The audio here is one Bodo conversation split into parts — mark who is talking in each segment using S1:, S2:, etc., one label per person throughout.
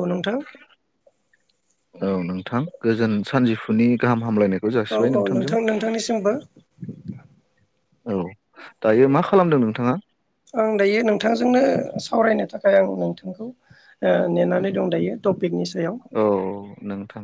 S1: औ नोंथां
S2: औ नोंथां गोजोन सानजुफुनि गाहाम हामलायनायखौ खौ
S1: औ
S2: जासिबाय
S1: औ
S2: नोंथांजों
S1: नोंथां नोंथांनिसिमबो
S2: औ दायो मा खालामदों नोंथाङा?
S1: आं दायो नोंथांजोंनो सावरायनो थाखाय आं नोंथांखौ नेनानै दं दायो ।
S2: औ नोंथां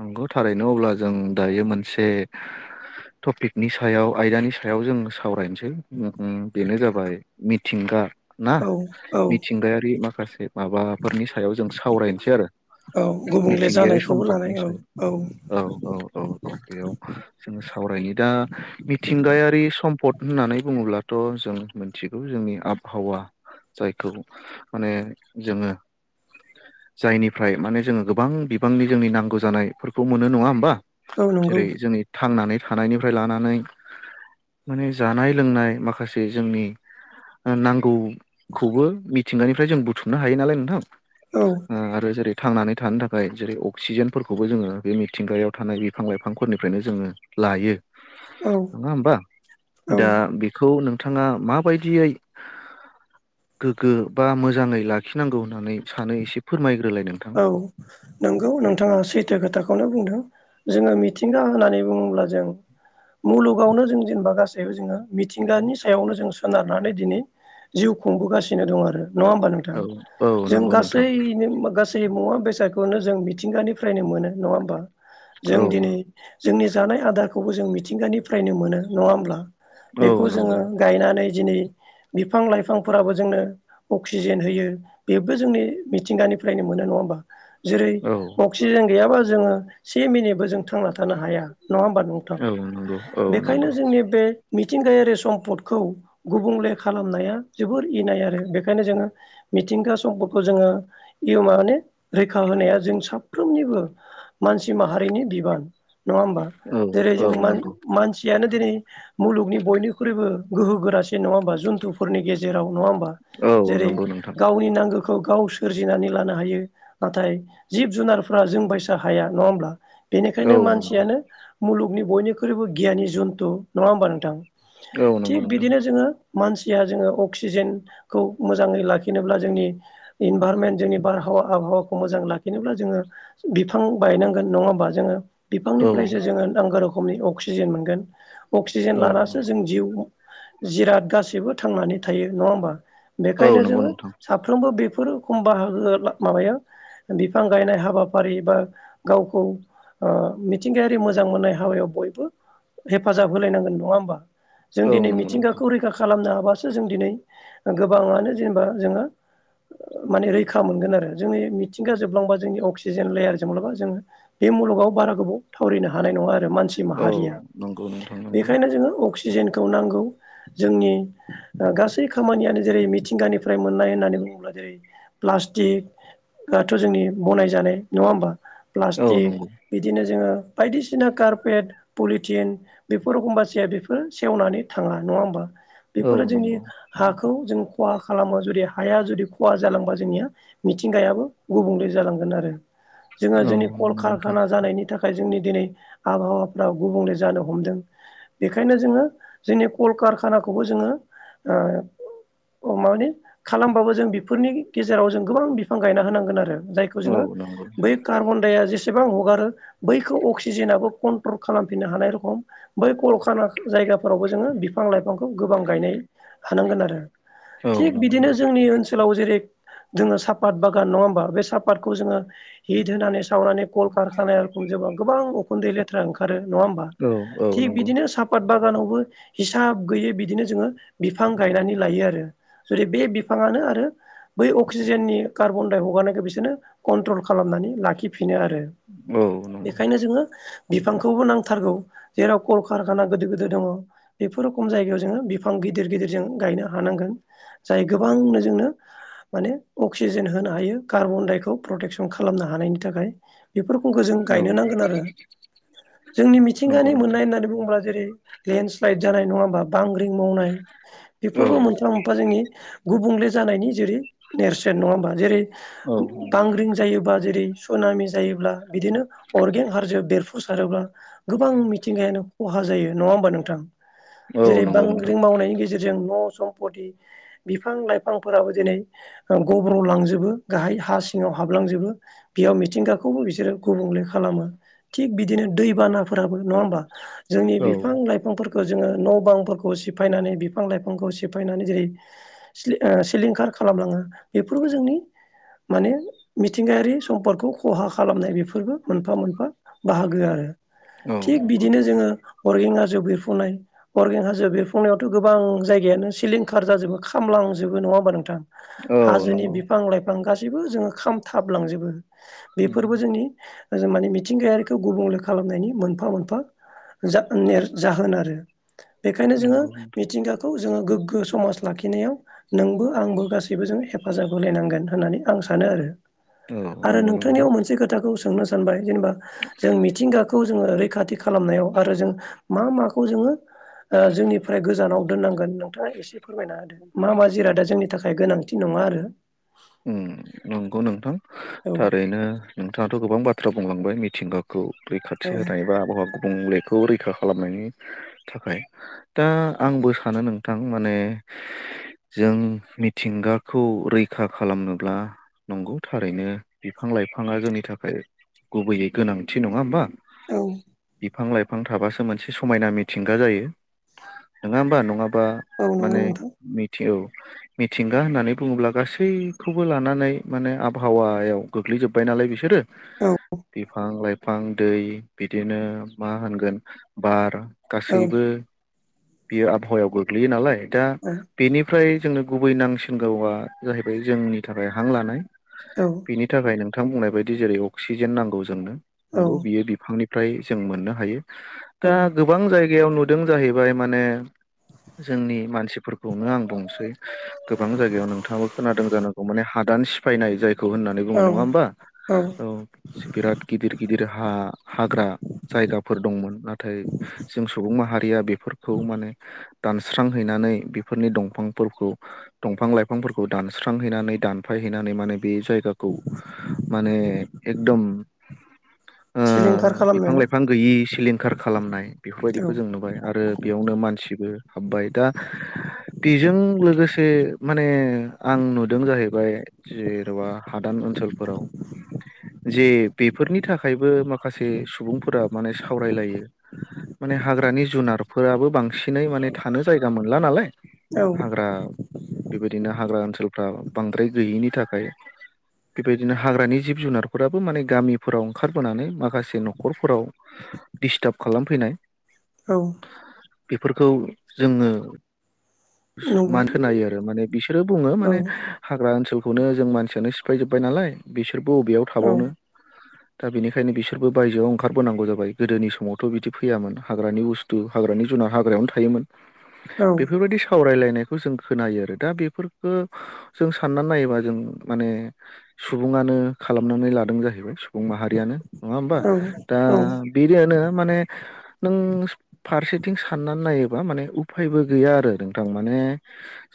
S2: नंगौ थारैनो अब्ला जों दायो मोनसे टपिकनि सायाव आयदानि सायाव जों सावरायनोसै बेनो जाबाय मिथिंगा ना
S1: औ औ
S2: मिथिंगायारि माखासे माबाफोरनि सायाव जों सावरायनोसै आरो
S1: औ गुबुंले
S2: मिथिंगायारि
S1: जानायखौबो लानाय
S2: सम्पदनि
S1: औ औ
S2: सायाव औ औ औ औ बेयाव जोङो सावरायनि दा मिथिंगायारि सम्पद होननानै बुङोब्लाथ' जों मोन मिथिगौ जोंनि आबहावा जायखौ माने जोङो जायनिफ्राय माने जोङो गोबां बिबांनि जोंनि नांगौ जानायफोरखौ मोनो नङा होनबा
S1: औ नंगौ
S2: जेरै जोंनि थांनानै थानायनिफ्राय लानानै माने जानाय लोंनाय माखासे जोंनि नांगौखौबो मिथिंगानिफ्राय जों बुथुमनो हायो नालाय नोंथां
S1: औ
S2: आरो जों जेरै थांनानै थानो थाखाय जेरै अक्सिजेनफोरखौबो जोङो बे मिथिंगायाव थानाय बिफां लाइफांफोरनिफ्रायनो जोङो लायो
S1: औ
S2: नङा होमबा
S1: औ
S2: दा बेखौ नों नोंथाङा माबायदियै? गोग्गो बा मोजाङै लाखिनांगौ होननानै सानो एसे फोरमायग्रोलाय नोंथां
S1: औ नंगौ नोंथाङा सैथो खोथाखौनो बुंदों । जोङो मिथिंगा होननानै बुङोब्ला जों मुलुगावनो जों जेनेबा गासै जोङो मिथिंगानि सायावनो जों सोनारनानै दिनै जिउ खुंबोगासिनो दं आरो नङा होमबा नोंथां
S2: औ औ
S1: जों
S2: नंगौ नोंथां
S1: गासैनो मा गासै मुवा बेसादखौनो जों मिथिंगानिफ्रायनो मोनो नङा होमबा
S2: औ
S1: जों दिनै जोंनि जानाय आदारखौबो जों मिथिंगानिफ्रायनो मोनो नङा होमब्ला
S2: औ
S1: बेखौ जोङो
S2: नंगौ
S1: गायनानै दिनै बिफां लाइफांफोराबो जोंनो अक्सिजेन होयो बेबो जोंनि मिथिंगानिफ्रायनो मोननाय नङा होनबा जेरै
S2: औ
S1: अक्सिजेन गैयाबा जोङो से मिनिटबो जों थांना थानो हाया नङा होमबा नोंथां
S2: औ नंगौ औ
S1: बेखायनो
S2: नंगौ
S1: जोंनि बे मिथिंगायारि सम्पदखौ गुबुंले खालामनाया जोबोर इनाय आरो बेखायनो जोङो मिथिंगा सम्फदखौ जोङो [unintelligible] माने रैखा होनाया जों साफ्रोमनिबो मानसि माहारिनि बिबान। नङा होमबा?
S2: औ
S1: जेरै
S2: औ
S1: जों मान
S2: नंगौ
S1: मानसियानो दिनै मुलुगनि बयनिख्रुइबो गोहो गोरासि नङा होमबा जुन्थुफोरनि गेजेराव नङा होम बा
S2: औ
S1: जेरै
S2: नंगौ नोंथां
S1: गावनि नांगोखौ गाव सोरजिनानै लानो हायो नाथाय जिब जुनारफ्रा जों बायसा हाया नङा होमब्ला?
S2: औ
S1: बेनिखायनो
S2: नंगौ
S1: मानसियानो मुलुगनि बयनिख्रुइबो गियानि जुन्थु नङा होमबा नोंथां?
S2: औ नंगौ
S1: थिग
S2: नोंथां
S1: बिदिनो जोङो मानसिया जोङो अक्सिजेनखौ मोजाङै लाखिनोब्ला जोंनि इनभारनमेन्ट जोंनि बारहावा आबहावाखौ मोजां लाखिनोब्ला जोङो बिफां बायनांगोन नङा होमबा जोङो?
S2: औ
S1: बिफांनिफ्रायसो जोङो नांगौ रोखोमनि अक्सिजेन मोनगोन अक्सिजेन
S2: औ
S1: लानासो जों जिउ जिराद गासैबो थांनानै थायो नङा होमबा?
S2: औ
S1: बेखायनो
S2: नंगौ
S1: जोङो
S2: नोंथां
S1: साफ्रोमबो बे फोर खम बाहागोआ माबाया बिफां गायनाय हाबाफारि बा गावखौ ओ मिथिंगायारि मोजां मोननाय हाबायाव बयबो हेफाजाब होलायनांगोन नङा होमबा? जों
S2: औ
S1: दिनै
S2: नंगौ नोंथां
S1: मिथिंगाखौ रैखा खालामनो [unintelligible] जों दिनै गोबाङानो जेनेबा जोङो माने रैखा मोनगोन आरो। जोंनि मिथिंगा जोबलांबा जोंनि अक्सिजेन लेयार जोबलाबा जोङो बे मुलुगाव बारा गोबाव थावरिनो हानाय नङा आरो। मानसि‌
S2: औ
S1: माहारिया।
S2: नंगौ नोंथां नंगौ
S1: बेखायनो जोङो अक्सि जेनखौ नांगौ जोंनि ओ गासै खामानियानो जेरै मिथिंगानि फ्राय मोननाय होननानै बुङोब्ला जेरै प्लास्टिकआथ' जोंनि बनायजानाय नङा होमबा?
S2: औ
S1: प्लास्टिक
S2: नंगौ
S1: बिदिनो जोङो बायदिसिना कारपेट पलिटिन बेफोर एखमबा जाया बेफोर सेवनानै थाङा नङा होमबा?
S2: औ
S1: बेफोरो जोंनि
S2: नंगौ
S1: हाखौ जों खहा खालामो जुदि हाया जुदि खहा जालांबा जोंनिया मिथिंगायाबो गुबुंले जालांगोन आरो। जोङो
S2: औ
S1: जोंनि कल
S2: नंगौ नोंथां
S1: कारखाना जानायनि था खाय जोंनि दिनै आबहावाफ्रा गुबुंले जानो हमदों बेखायनो जोङो जोंनि कलकारखानाखौबो जोङो ओ अ माने खालामबाबो जों बेफोरनि गेजेराव जों गोबां बिफां गायना होनांगोन आरो जायखौ
S2: औ
S1: जोङो
S2: नंगौ
S1: बै कार्बनडाइआ जेसे बां हगारो बैखौ अक्सिजेनाबो कन्ट्रल खालामफिननो हानाय रखम बै कलखाना जाय जायगाफोरावबो जोङो बिफां लाइफांखौ गोबां गायनाय हानांगोन आरो
S2: औ
S1: थिग
S2: नंगौ
S1: बिदिनो
S2: नोंथां
S1: जोंनि ओनसोलाव जेरै जोङो सापात बागान नङा होमबा बे सापातखौ जोङो हिद होनानै सावनानै कल खारखानाय [unintelligible] गोबां उखुन्दै लेथ्रा ओंखारो नङा होमबा?
S2: औ औ
S1: थिग
S2: नंगौ
S1: बिदिनो साफात बागानावबो हिसाब गैयै बिदिनो जोङो बिफां गायनानै लायो आरो जुदि बे बिफाङानो आरो बै अक्सिजेननि कार्बनदाय हगारनायखौ बिसोरनो कन्ट्रल खालामनानै लाखिफि नो आरो
S2: औ नंगौ
S1: बेखायनो जोङो बिफांखौबो नांथारगौ जेराव कलकारखाना गोदो गोदो दङ बेफोर रोखम जायगायाव जोङो बिफां गिदिर गिदिर जों गायनो हानांगोन जाय गोबांनो जोंनो माने अक्सिजेन होनो हायो कार्बनडाइखौ प्रटेकसन खालामनो हानायनि थाखाय। बेफोरखौ जों गायनो
S2: औ
S1: नांगोन आरो। जोंनि
S2: नंगौ
S1: मिथिंगानि
S2: नोंथां
S1: मोननाय होननानै बुंङोब्ला जेरै लेन्डस्लाइद जानाय नङा होमबा बांग्रिं मावनाय
S2: औ
S1: बेफोरबो मोनफा मोनफा जोंनि गुबुंले जानायनि जेरै नेरसोन नङा होमबा जेरै
S2: औ
S1: बांग्रिं जायोबा जेरै सुनामि जायोब्ला बिदिनो अरगें हाजो बेरफुसारोब्ला गोबां मिथिंगायानो खहा जायो नङा होमबा नोंथां?
S2: औ
S1: जेरै
S2: नंगौ नोंथां
S1: बांग्रि मावनायनि गेजेरजों न' सम्पति बिफां लाइफांफोराबो दिनै ओ गब्रलांजोबो गाहाय हा सिङाव हाबलांजोबो बेयाव मिथिंगाखौबो बिसोरो गुबुं ले खालामो थिक बिदिनो दै बानाफोराबो नंङा‌ होमबा जोंनि
S2: औ
S1: बिफां लाइफां फोर जोङो न बांफोरखौ सिफायनानै बिफां लाइफांखौ सिफायनानै जेरै सिलिंखार खालामलांङो बेफोरबो जोंनि माने मिथिंगायारि सम्पदखौ खहा खालामनाय बेफोरबो मोनफा मोनफा बाहागो आरो
S2: औ
S1: थिग
S2: नंगौ
S1: बिदिनो
S2: नोंथां
S1: जोङो अरगें हाजो हाजो बिरफुंनाय अरगें हाजोआव बिरफुंनायावथ गोबां जायगायानो सिलिंखार जाजोबो खामलांजोबो नङा नङा होमबा नोंथां
S2: औ
S1: हाजोनि
S2: नंगौ
S1: बिफां लाइफां गासैबो जोङो खामथाबलांजोबो बेफोरबो जोंनि माने मिथिंगायारिखौ गुबुंले खालामनायनि मोनफा मोनफा जा जाहोन आरो। बेखायनो जोङो
S2: नंगौ नोंथां
S1: मिथिंगाखौ जोङो गोग्गो समाज लाखिनायाव नोंबो आंबो गासि बयबो जों हेफाजाब होलाय नांगोन होननानै आं सानो
S2: औ
S1: आरो
S2: नंगौ नोंथां
S1: नोंथांनियाव मोनसे खोथाखौ। सोंनो सानबाय जेनेबा जों मिथिंगाखौ जोङो ओरै खाथि खालामनायाव आरो जों मा माखौ जोङो ओ जोंनिफ्राय गोजानाव दोननांगोन नोंथाङा एसे फोरमायना होदो मा मा जिरादा जोंनि थाखाय गोनांथि नङा आरो।
S2: ओम नंगौ नोंथां
S1: औ
S2: थारैनो। नोंथाङाथ' गोबां बाथ्रा बुंलांबाय मिथिंगाखौ रैखाथि
S1: औ
S2: होनाय बा आबहावाखौ गुबुंलेखौ रैखा खालामनायनि थाखाय दा आंबो सानो नोंथां माने जों मिथिंगाखौ रै रैखा खालामनोब्ला नंगौ थारैनो बिफां लाइफाङा जोंनि थाखै गुबैयै गोनांथि नङा होमबा।
S1: औ
S2: बिफां लाइफां थाबासो मोनसे समायना मिथिंगा जायो नङा होमबा नङा। बा
S1: औ नंगौ
S2: माने
S1: नोंथां
S2: मिथि ओ मिथिंगा होननानै बुङोब्ला गासै सैखौबो लानानै माने आबहावायाव गोग्लैजोब्बाय नालाय बिसोरो
S1: औ
S2: बिफां लाइफां दै बिदिनो मा होनगोन बार
S1: औ
S2: गासैबो बियो आबहावायाव गोग्लैयो नालाय दा
S1: औ
S2: बेनिफ्राय जोंनो गुबै नांसिनगौवा जाहैबाय जोंनि थाखाय हां लानाय
S1: औ
S2: बिनि थाखाय नों थां बुंनाय बायदि जेरै अक्सिजेन नांगौ जोंनो
S1: औ
S2: नंगौ बियो बिफांनिफ्राय जों मोननो हायो। दा गोबां जायगायाव नुदों जाहैबाय माने जोंनि मानसिफोरखौनो आं बुंनोसै गोबां जायगायाव नोंथांङाबो खोनादों जानांगौ माने हादान सिफायनाय जाय खौ होननानै
S1: औ
S2: बुङो नङा होमबा औ बिराद गिदिर गिदिर हा हाग्रा जायगाफोर दंमोन नाथाय जों सुबुं माहारिया बेफोरखौ माने दानस्रांहैनानै बिफोरनि दंफांफोरखौ दंफां लायफां फोर खौ दानस्रांहैनानै दानफायहैनानै माने बे जायगाखौ माने एकदम
S1: सिलिं
S2: ओ बिफां लाइफां गैयि सिलिंखार खालामनाय
S1: औ
S2: बेफोरबायदिखौ जों नुबाय आरो बेयावनो मानसिबो हाब बाय दा बेजों लोगोसे माने। आं नुदों जाहैबाय जेन'बा हादान ओनसोलफोराव।
S1: [inaudible]
S2: जे बेफोरनि थाखायबो माखासे सुबुंफोरा माने सावरायलायो। माने हाग्रानि जुनारफोराबो बांसिनै माने थानो जायगा मोनला नालाय।
S1: औ
S2: हाग्रा बेबायदिनो हाग्रा ओनसोलफ्रा बांद्राय गैयैनि थाखाय। बेबायदिनो हाग्रानि जिब जुनारफोराबो माने गामिफोराव ओंखारबोनानै माखासे न'खरफोराव। दिस्टाब खालामफैनाय
S1: औ
S2: बेफोरखौ जोङो।
S1: नंगौ
S2: मान होनायो आरो माने बिसोरो बुङो
S1: औ
S2: माने हाग्रा ओनसोल खौनो जों मानसियानो सिफायजोब्बाय नालाय बिसोरबो बबेयाव
S1: औ
S2: थाबावनो। दा बेनिखायनो बिसोरबो बायजोआव ओंखारबोनांगौ जाबाय गोदोनि समावथ' बिदि फैयामोन हाग्रानि बुस्थु हाग्रानि जुन। हाग्रायावनो थायोमोन
S1: औ
S2: बेफोरबादि सा सावरायलायनायखौ जों खोनायो आरो दा बेफोरखो जों साननानै नायोबा जों माने सुबुङानो खालामनानै लादों जाहैबाय। सुबुं माहारियानो नङा होमबा
S1: औ
S2: दा
S1: औ
S2: बिरैयानो माने नों फारसेथिं साननानै नायोबा माने उफायबो गैया आरो नों थां माने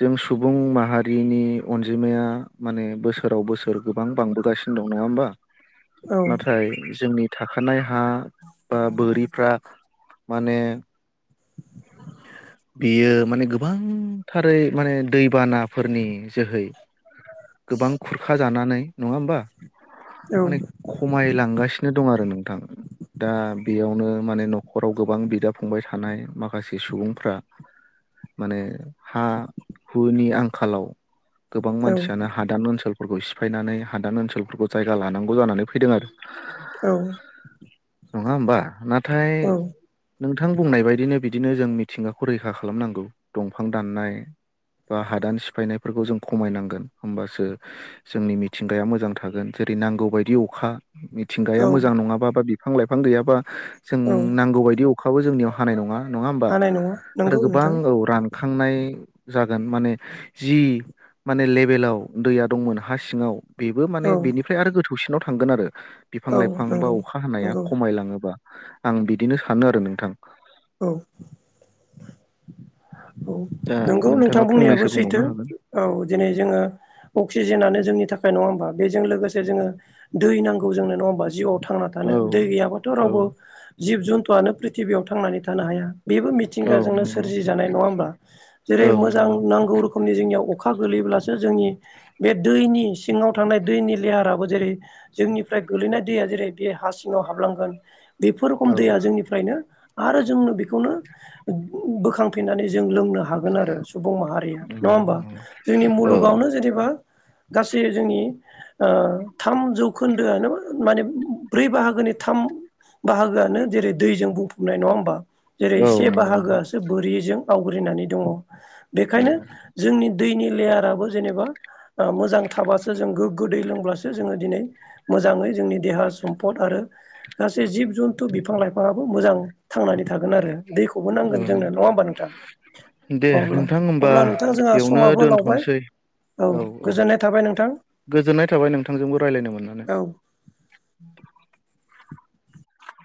S2: जों सुबुं माहारिनि अनजिमाया माने बोसोराव बोसोर गोबां बांबोगासिनो दं नङा होमबा
S1: औ औ औ
S2: नाथाय जोंनि थाखानाय हा बा बोरिफ्रा माने बेयो माने गोब गोबांथारै माने दैबानाफोरनि जोहै गोबां खुरखा जानानै नङा होमबा माने
S1: औ
S2: खमायलांगासिनो दं आरो नोंथां। दा बेयावनो माने न'खराव गोबां बिदा फंबाय थानाय माखासे सुबुंफ्रा [inaudible] माने हा हुनि आंखालाव गोबां मानसियानो हादान ओनसोल फोरखौ सिफायनानै हादान ओनसोलफोरखौ जायगा लानांगौ जानानै फैदों आरो।
S1: औ
S2: नङा होमबा नाथाय नोंथां बुंनाय बायदिनो बिदिनो जों मिथिंगाखौ रैखा खालामनांगौ दंफां दाननाय बा हादान सिफायनायफोरखौ जों खमायनांगोन होमबासो जोंनि मिथिंगाया नांगौ बायदि अखा मिथिंगाया मोजां नङाबा बा बिफां लाइफां गैयाबा जों नांगौ बायदि अखाबो जोंनियाव हानाय नङा नङा हबा
S1: हानाय नङा
S2: आरो
S1: नंगौ
S2: गोबां
S1: नोंथां
S2: औ रानखांनाय जागोन माने जि माने लेभेलाव दैया दंमोन हा सिङाव बेबो
S1: औ
S2: माने बेनिफ्राय आरो गोथौसिनाव थांगोन आरो बिफां
S1: औ
S2: लाइफां बा
S1: नंगौ
S2: अखा हानाया
S1: नंगौ
S2: खमाय लाङोबा। [inaudible]
S1: औ औ
S2: दा
S1: नंगौ नोंथां
S2: नोंथाङा
S1: बुंनायाबो
S2: फंनैसो
S1: सैथो
S2: बुंबावनो हागोन
S1: औ दिनै जोङो अक्सिजेनानो जोंनि थाखाय नङा होमबा बेजों लोगोसे जोङो दै नांगौ जोंनो नङा होमबा जि आव थांना थानो
S2: औ
S1: दै गैयाबाथ'
S2: औ
S1: रावबो जिब जुन्थुआनो प्रिथिबियाव थांनानै थानो हाया। बेबो
S2: औ
S1: मिथिंगाजोंनो
S2: नंगौ
S1: सोरजि जानाय नङा होमबा जेरै
S2: औ
S1: मोजां
S2: नंगौ
S1: नांगौ रोखोमनि जोंनि याव अखा गोगलैब्लासो जोंनि बे दैनि सिङाव थानाय दैनि लेयाराबो जेरै जों निफ्राय गोलैनाय दैया जेरै बे हा सिङाव हाबलांगोन बेफोर रोखम
S2: औ
S1: दैया जोंनिफ्रायनो आरो जोंनो बेखौनो बोखां फैनानै जों लोंनो हागोन आरो सुबुं माहारिया नङा
S2: नंगौ
S1: होमबा जोंनि
S2: औ
S1: मुलुगावनो जेनेबा गासै जोंनि ओ थाम जौखोन्दोआ माने ब्रै बाहागो थाम बाहागोआनो जेरै दैजों बुंफबनाय नङा होमबा जेरै
S2: औ
S1: से
S2: नंगौ नोंथां
S1: बाहागोआसो जों आवग्रिनानै दङ
S2: औ
S1: बेखायनो जोंनि दैनि लेयाराबो जेनेबा मोजां थाबासो जों गोग्गो दै लोंब्लासो जोङो दिनै मो जाङै जोंनि देहा सम्फद आरो गासै जिब जन्थु बिफां लाइफाङाआबो मोजां थांनानै थागोन आरो। दैखौबो
S2: औ
S1: नांगोन जोंनो नङा होमबा नोंथां?
S2: दे
S1: अब्ला
S2: नोंथां होमबा
S1: अब्ला नोंथाङा जोंहा
S2: बेयावनो
S1: समाबो लावबाय
S2: दोनथ'नोसै
S1: औ गोजोननाय थाबाय नोंथां
S2: गोजोननाय थाबाय नोंथांजोंबो रायज्लायनो मोननानै
S1: औ।
S2: [inaudible]